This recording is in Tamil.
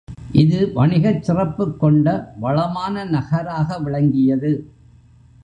இது வணிகச் சிறப்புக் கொண்ட வளமான நகராக விளங்கியது.